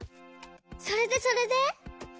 それでそれで？